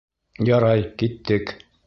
Ярай, киттек.